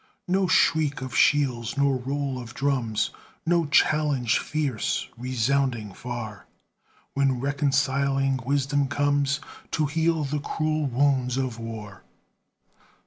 No shriek of shells nor roll of drums, No challenge fierce, resounding far, When reconciling Wisdom comes To heal the cruel wounds of war.